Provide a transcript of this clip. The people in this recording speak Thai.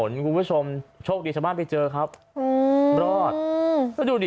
บิดถนนทุกคนผู้ชมโชคดีชะมัดไม่เจอครับอืมรอดหรือเปล่าดูดิ